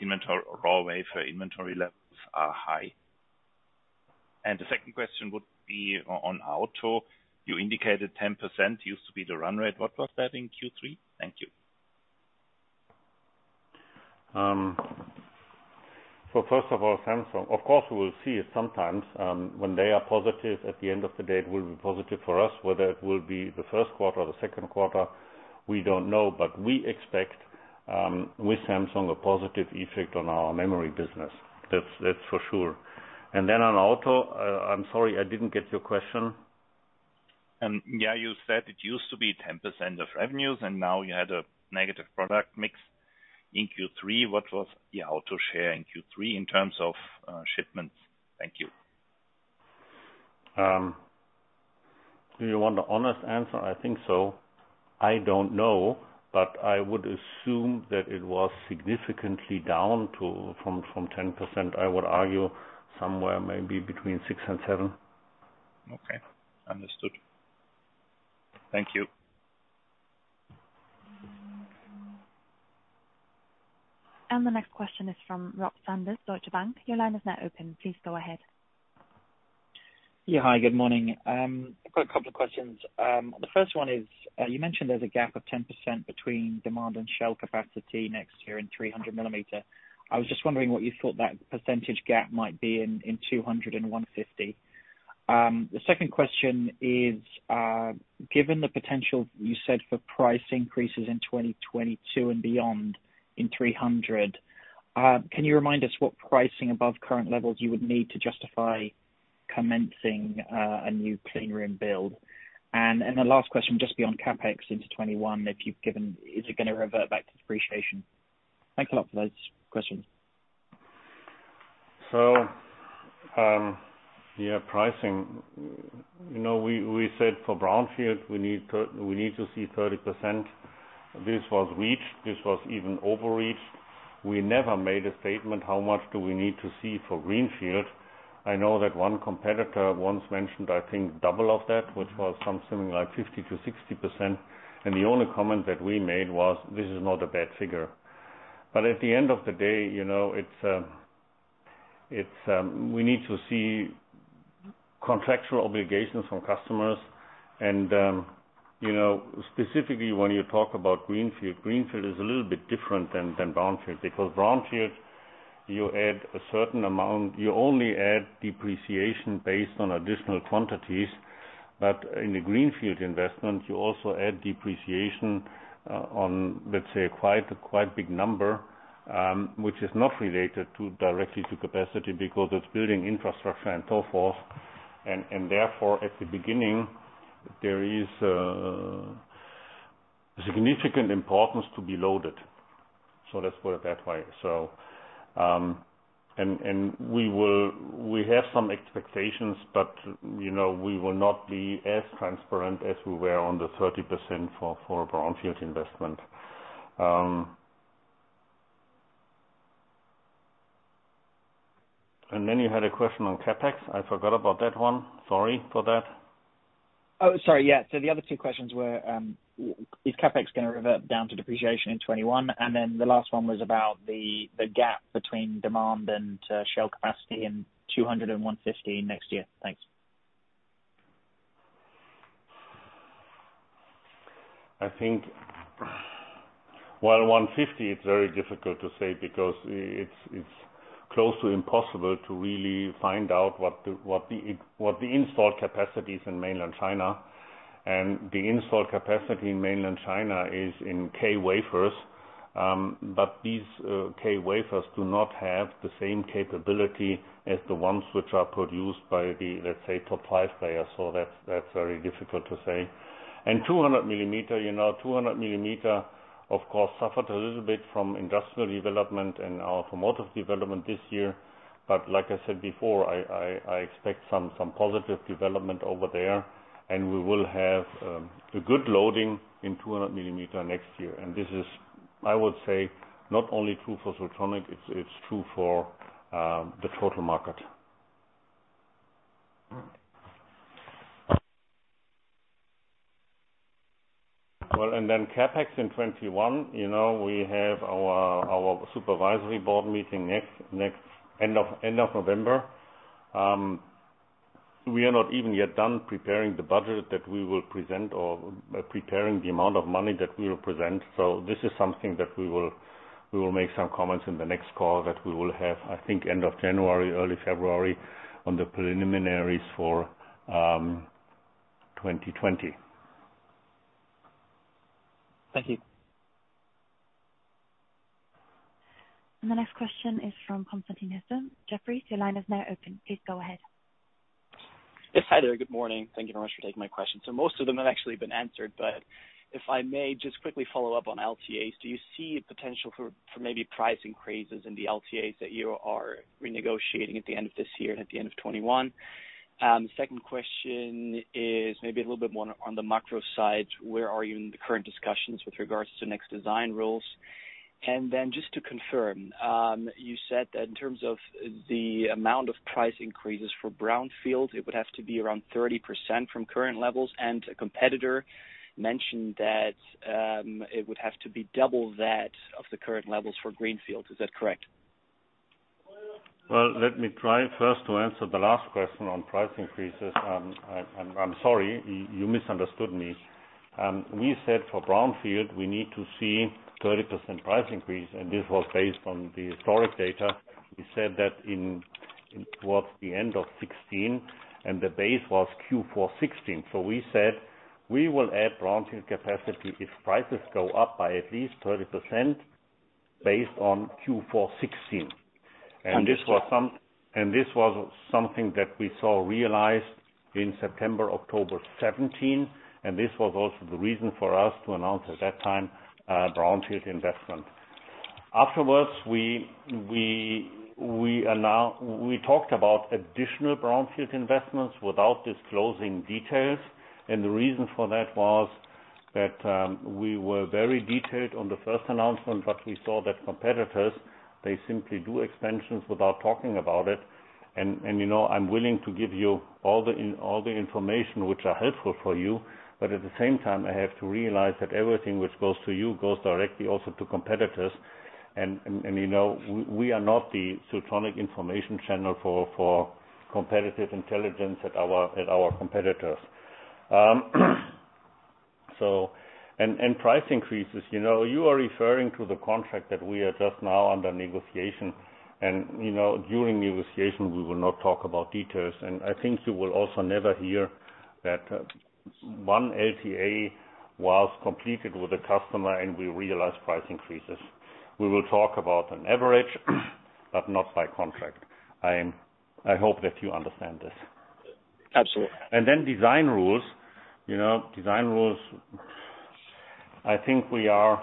inventory or raw wafer inventory levels are high? And the second question would be on auto. You indicated 10% used to be the run rate. What was that in Q3? Thank you. So first of all, Samsung, of course, we will see it sometimes. When they are positive, at the end of the day, it will be positive for us. Whether it will be the first quarter or the second quarter, we don't know, but we expect with Samsung a positive effect on our memory business. That's for sure. And then on auto, I'm sorry, I didn't get your question. Yeah, you said it used to be 10% of revenues, and now you had a negative product mix in Q3. What was the auto share in Q3 in terms of shipments? Thank you. Do you want the honest answer? I think so. I don't know, but I would assume that it was significantly down from 10%. I would argue somewhere maybe between 6% and 7%. Okay. Understood. Thank you. The next question is from Rob Sanders, Deutsche Bank. Your line is now open. Please go ahead. Yeah, hi. Good morning. I've got a couple of questions. The first one is, you mentioned there's a gap of 10% between demand and shell capacity next year in 300 mm. I was just wondering what you thought that percentage gap might be in 200 and 150. The second question is, given the potential you said for price increases in 2022 and beyond in 300, can you remind us what pricing above current levels you would need to justify commencing a new clean room build? And the last question, just beyond CapEx into 2021, if you've given, is it going to revert back to depreciation? Thanks a lot for those questions. So, yeah, pricing. We said for brownfield, we need to see 30%. This was reached. This was even overreached. We never made a statement how much do we need to see for greenfield. I know that one competitor once mentioned, I think, double of that, which was something like 50%-60%, and the only comment that we made was, "This is not a bad figure," but at the end of the day, we need to see contractual obligations from customers, and specifically, when you talk about greenfield, greenfield is a little bit different than brownfield because brownfield, you add a certain amount. You only add depreciation based on additional quantities, but in the greenfield investment, you also add depreciation on, let's say, a quite big number, which is not related directly to capacity because it's building infrastructure and so forth. Therefore, at the beginning, there is significant importance to be loaded. That's why it's so. We have some expectations, but we will not be as transparent as we were on the 30% for brownfield investment. You had a question on CapEx. I forgot about that one. Sorry for that. Oh, sorry. Yeah. So the other two questions were, is CapEx going to revert down to depreciation in 2021? And then the last one was about the gap between demand and shell capacity in 200 and 150 next year. Thanks. I think, well, 150. It's very difficult to say because it's close to impossible to really find out what the installed capacity is in mainland China, and the installed capacity in mainland China is in K wafers. But these K wafers do not have the same capability as the ones which are produced by the, let's say, top five players. So that's very difficult to say, and 200 mm, of course, suffered a little bit from industrial development and automotive development this year. But like I said before, I expect some positive development over there, and we will have a good loading in 200 mm next year, and this is, I would say, not only true for Siltronic. It's true for the total market, well, and then CapEx in 2021. We have our supervisory board meeting at the end of November. We are not even yet done preparing the budget that we will present or preparing the amount of money that we will present. So this is something that we will make some comments in the next call that we will have, I think, end of January, early February on the preliminaries for 2020. Thank you. The next question is from Constantin Hesse. Jefferies, your line is now open. Please go ahead. Yes, hi there. Good morning. Thank you very much for taking my question. So most of them have actually been answered, but if I may just quickly follow up on LTAs. Do you see potential for maybe price increases in the LTAs that you are renegotiating at the end of this year and at the end of 2021? Second question is maybe a little bit more on the macro side. Where are you in the current discussions with regards to next design rules? And then just to confirm, you said that in terms of the amount of price increases for brownfield, it would have to be around 30% from current levels. And a competitor mentioned that it would have to be double that of the current levels for greenfield. Is that correct? Well, let me try first to answer the last question on price increases. I'm sorry, you misunderstood me. We said for brownfield, we need to see a 30% price increase. And this was based on the historic data. We said that towards the end of 2016, and the base was Q4 2016. So we said we will add brownfield capacity if prices go up by at least 30% based on Q4 2016. And this was something that we saw realized in September, October 2017. And this was also the reason for us to announce at that time brownfield investment. Afterwards, we talked about additional brownfield investments without disclosing details. And the reason for that was that we were very detailed on the first announcement, but we saw that competitors, they simply do expansions without talking about it. And I'm willing to give you all the information which are helpful for you, but at the same time, I have to realize that everything which goes to you goes directly also to competitors. And we are not the Siltronic Information Channel for competitive intelligence at our competitors. And price increases, you are referring to the contract that we are just now under negotiation. And during negotiation, we will not talk about details. And I think you will also never hear that one LTA was completed with a customer, and we realized price increases. We will talk about an average, but not by contract. I hope that you understand this. Absolutely. And then design rules. Design rules, I think we are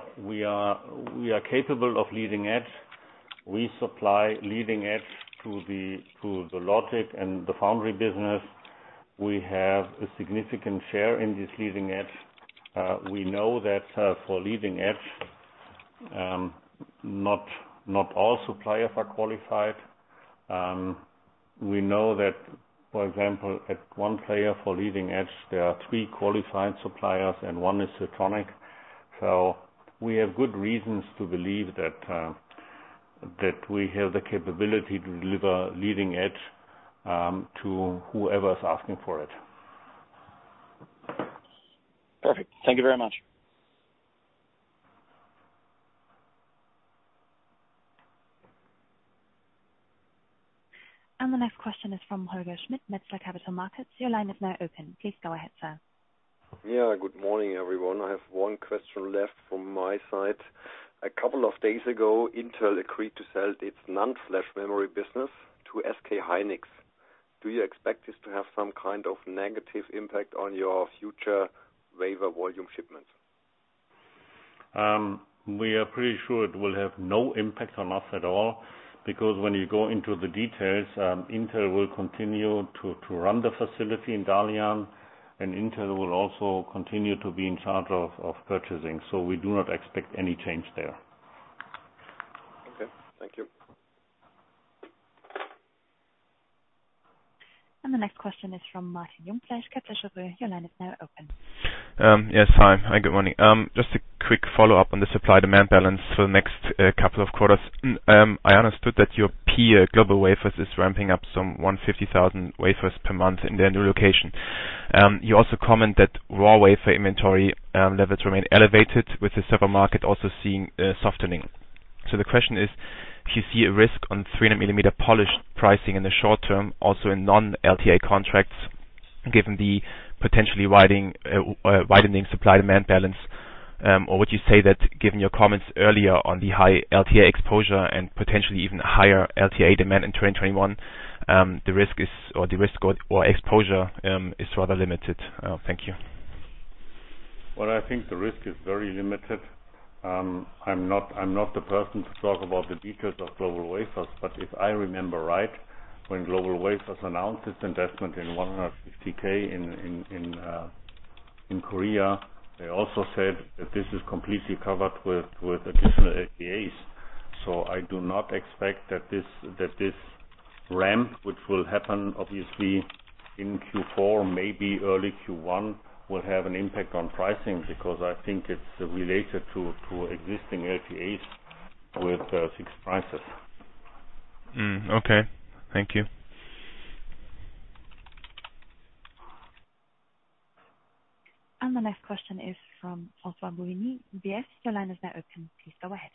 capable of leading edge. We supply leading edge to the logic and the foundry business. We have a significant share in this leading edge. We know that for leading edge, not all suppliers are qualified. We know that, for example, at one player for leading edge, there are three qualified suppliers, and one is Siltronic. So we have good reasons to believe that we have the capability to deliver leading edge to whoever is asking for it. Perfect. Thank you very much. The next question is from Holger Schmidt, Metzler Capital Markets. Your line is now open. Please go ahead, sir. Yeah, good morning, everyone. I have one question left from my side. A couple of days ago, Intel agreed to sell its NAND flash memory business to SK Hynix. Do you expect this to have some kind of negative impact on your future wafer volume shipments? We are pretty sure it will have no impact on us at all because when you go into the details, Intel will continue to run the facility in Dalian, and Intel will also continue to be in charge of purchasing. So we do not expect any change there. Okay. Thank you. The next question is from Martin Jungfleisch, Kepler Cheuvreux. Your line is now open. Yes, hi. Hi, good morning. Just a quick follow-up on the supply-demand balance for the next couple of quarters. I understood that your peer, GlobalWafers, is ramping up some 150,000 wafers per month in their new location. You also comment that raw wafer inventory levels remain elevated, with the spot market also seeing softening. So the question is, do you see a risk on 300 mm polished pricing in the short term, also in non-LTA contracts, given the potentially widening supply-demand balance? Or would you say that, given your comments earlier on the high LTA exposure and potentially even higher LTA demand in 2021, the risk or exposure is rather limited? Thank you. I think the risk is very limited. I'm not the person to talk about the details of GlobalWafers, but if I remember right, when GlobalWafers announced its investment in 150K in Korea, they also said that this is completely covered with additional LTAs. So I do not expect that this ramp, which will happen, obviously, in Q4, maybe early Q1, will have an impact on pricing because I think it's related to existing LTAs with fixed prices. Okay. Thank you. The next question is from François-Xavier Bouvignies, UBS. Your line is now open. Please go ahead.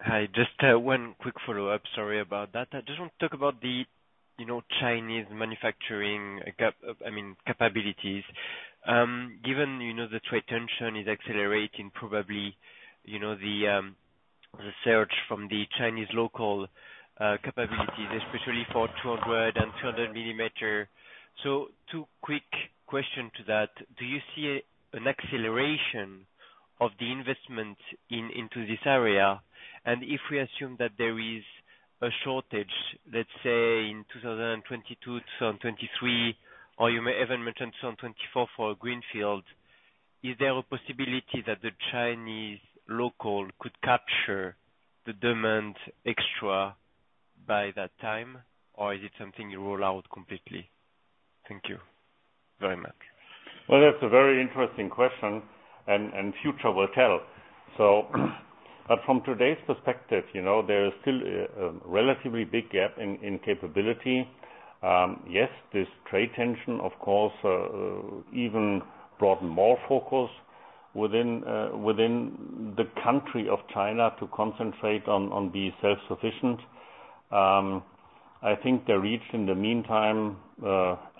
Hi. Just one quick follow-up. Sorry about that. I just want to talk about the Chinese manufacturing capabilities. Given that localization is accelerating, probably the surge from the Chinese local capabilities, especially for 200 mm and 300 mm. So two quick questions to that. Do you see an acceleration of the investment into this area? And if we assume that there is a shortage, let's say in 2022, 2023, or you may even mention 2024 for greenfield, is there a possibility that the Chinese local could capture the demand extra by that time, or is it something you roll out completely? Thank you very much. That's a very interesting question, and future will tell. But from today's perspective, there is still a relatively big gap in capability. Yes, this trade tension, of course, even brought more focus within the country of China to concentrate on being self-sufficient. I think they reached, in the meantime,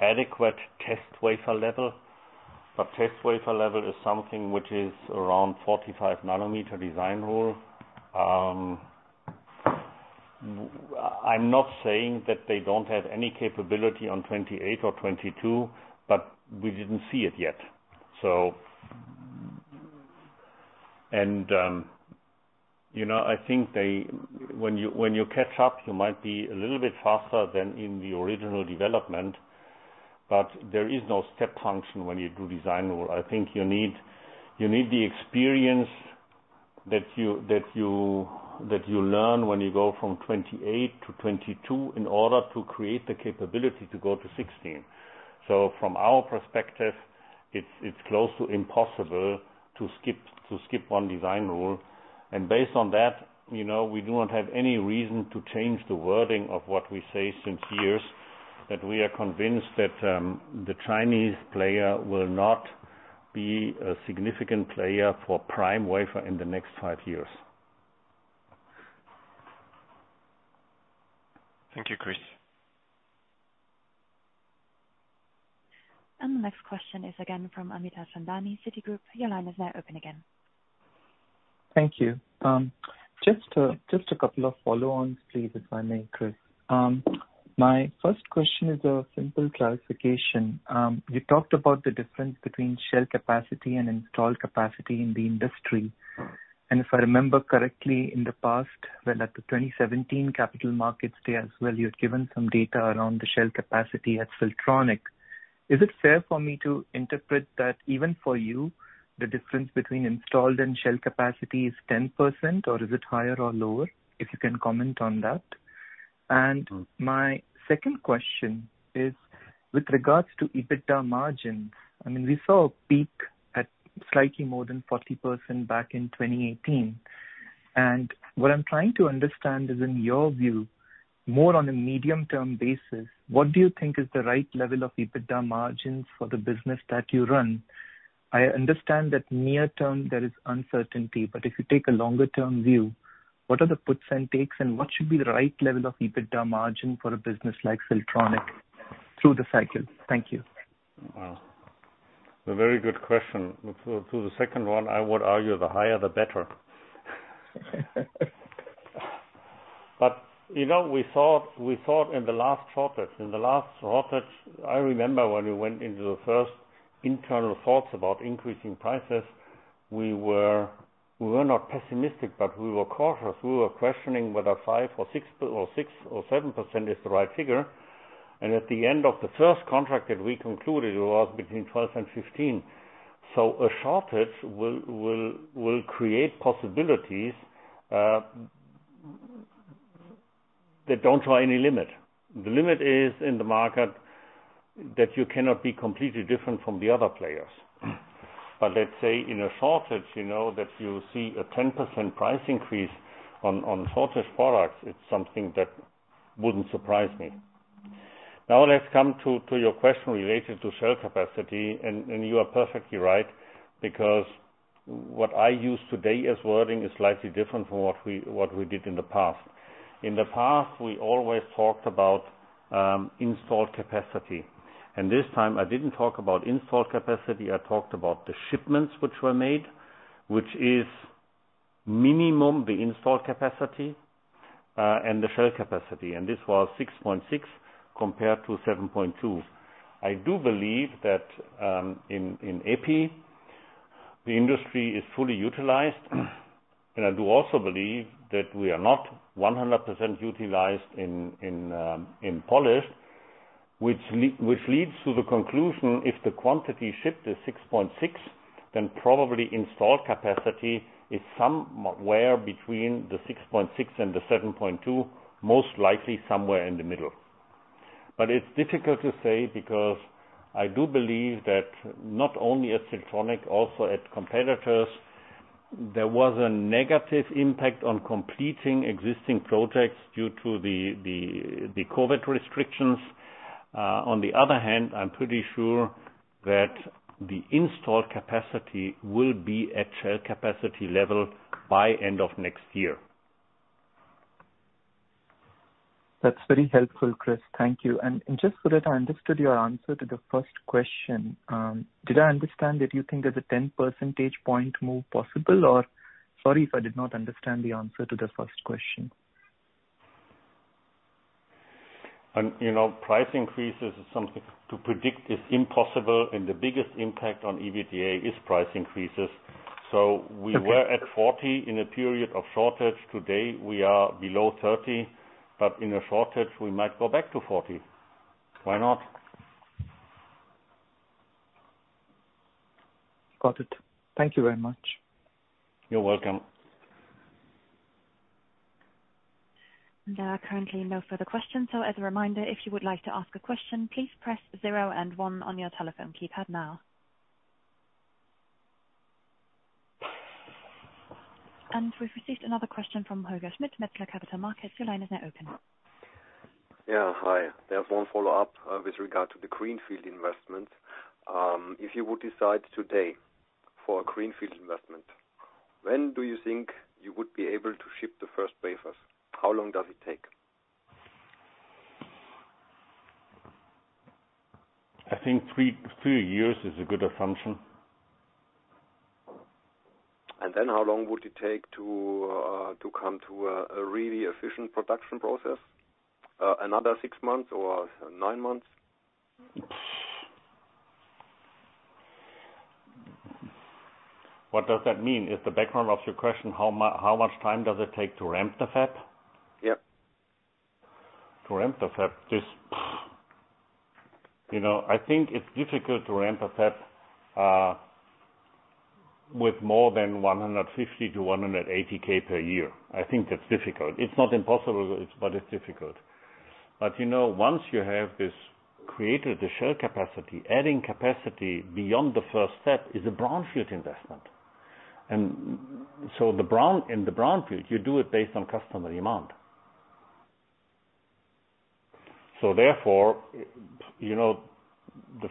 adequate test wafer level. But test wafer level is something which is around 45 nanometer design rule. I'm not saying that they don't have any capability on '28 or '22, but we didn't see it yet. And I think when you catch up, you might be a little bit faster than in the original development, but there is no step function when you do design rule. I think you need the experience that you learn when you go from '28 to '22 in order to create the capability to go to '16. From our perspective, it's close to impossible to skip one design rule. Based on that, we do not have any reason to change the wording of what we say since years, that we are convinced that the Chinese player will not be a significant player for prime wafer in the next five years. Thank you, Chris. And the next question is again from Amit Harchandani, Citigroup. Your line is now open again. Thank you. Just a couple of follow-ons, please, if I may, Chris. My first question is a simple clarification. You talked about the difference between shell capacity and installed capacity in the industry. And if I remember correctly, in the past, well, at the 2017 Capital Markets Day as well, you had given some data around the shell capacity at Siltronic. Is it fair for me to interpret that even for you, the difference between installed and shell capacity is 10%, or is it higher or lower? If you can comment on that. And my second question is, with regards to EBITDA margins, I mean, we saw a peak at slightly more than 40% back in 2018. And what I'm trying to understand is, in your view, more on a medium-term basis, what do you think is the right level of EBITDA margins for the business that you run? I understand that near-term, there is uncertainty, but if you take a longer-term view, what are the puts and takes, and what should be the right level of EBITDA margin for a business like Siltronic through the cycle? Thank you. Wow. A very good question. To the second one, I would argue the higher, the better. But we thought in the last shortage. In the last shortage, I remember when we went into the first internal thoughts about increasing prices, we were not pessimistic, but we were cautious. We were questioning whether 5% or 6% or 7% is the right figure. And at the end of the first contract that we concluded, it was between 12% and 15%. So a shortage will create possibilities that don't show any limit. The limit is in the market that you cannot be completely different from the other players. But let's say in a shortage that you see a 10% price increase on shortage products, it's something that wouldn't surprise me. Now, let's come to your question related to shell capacity. You are perfectly right because what I use today as wording is slightly different from what we did in the past. In the past, we always talked about installed capacity. This time, I didn't talk about installed capacity. I talked about the shipments which were made, which is minimum the installed capacity and the shell capacity. This was 6.6 compared to 7.2. I do believe that in Epi, the industry is fully utilized. I do also believe that we are not 100% utilized in polished, which leads to the conclusion if the quantity shipped is 6.6, then probably installed capacity is somewhere between the 6.6 and the 7.2, most likely somewhere in the middle. But it's difficult to say because I do believe that not only at Siltronic, also at competitors, there was a negative impact on completing existing projects due to the COVID restrictions. On the other hand, I'm pretty sure that the installed capacity will be at shell capacity level by end of next year. That's very helpful, Chris. Thank you. And just so that I understood your answer to the first question, did I understand that you think there's a 10 percentage point move possible? Or sorry if I did not understand the answer to the first question. Price increases is something to predict is impossible. The biggest impact on EBITDA is price increases. We were at 40% in a period of shortage. Today, we are below 30%. In a shortage, we might go back to 40%. Why not? Got it. Thank you very much. You're welcome. There are currently no further questions, so as a reminder, if you would like to ask a question, please press zero and one on your telephone keypad now, and we've received another question from Holger Schmidt, Metzler Capital Markets. Your line is now open. Yeah, hi. There's one follow-up with regard to the Greenfield investments. If you would decide today for a Greenfield investment, when do you think you would be able to ship the first wafers? How long does it take? I think three years is a good assumption. How long would it take to come to a really efficient production process? Another six months or nine months? What does that mean? Is the background of your question how much time does it take to ramp the fab? Yep. To ramp the fab, I think it's difficult to ramp a fab with more than 150-180K per year. I think that's difficult. It's not impossible, but it's difficult, but once you have created the shell capacity, adding capacity beyond the first step is a brownfield investment, and so in the brownfield, you do it based on customer demand, so therefore, the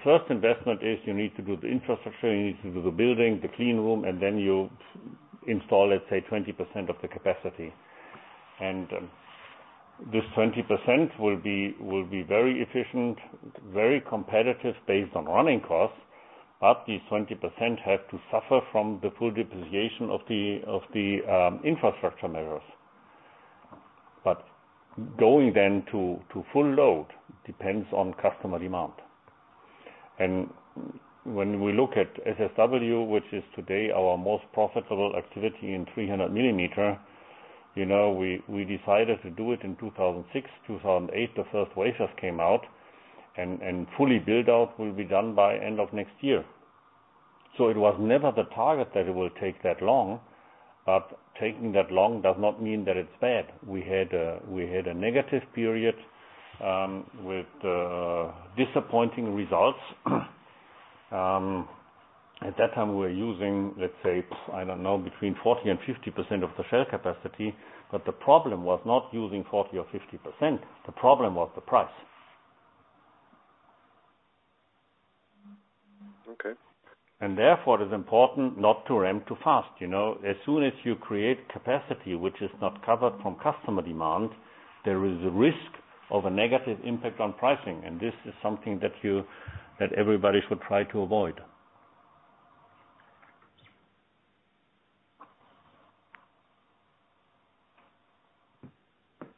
first investment is you need to do the infrastructure, you need to do the building, the clean room, and then you install, let's say, 20% of the capacity. And this 20% will be very efficient, very competitive based on running costs. But these 20% have to suffer from the full depreciation of the infrastructure measures, but going then to full load depends on customer demand. And when we look at SSW, which is today our most profitable activity in 300 mm, we decided to do it in 2006. 2008, the first wafers came out, and fully build-out will be done by end of next year. So it was never the target that it will take that long, but taking that long does not mean that it's bad. We had a negative period with disappointing results. At that time, we were using, let's say, I don't know, between 40% and 50% of the shell capacity. But the problem was not using 40% or 50%. The problem was the price. Okay. And therefore, it is important not to ramp too fast. As soon as you create capacity which is not covered from customer demand, there is a risk of a negative impact on pricing. And this is something that everybody should try to avoid.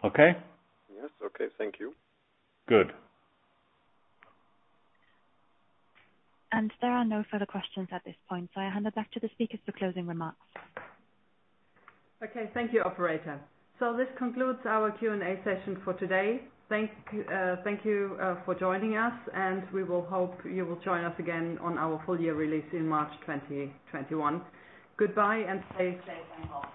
Okay? Yes. Okay. Thank you. Good. There are no further questions at this point. I hand it back to the speakers for closing remarks. Okay. Thank you, operator. So this concludes our Q&A session for today. Thank you for joining us, and we will hope you will join us again on our full year release in March 2021. Goodbye and stay safe and healthy.